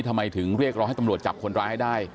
ทำไมถึงเรียกร้องให้ตำรวจจับคนร้ายให้ได้